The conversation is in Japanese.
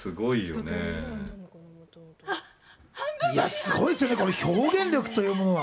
すごいですよね、表現力というものが。